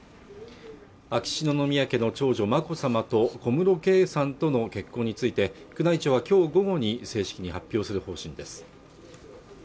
秋篠宮家の長女眞子さまと小室圭さんとの結婚について宮内庁はきょう午後に正式に発表する方針です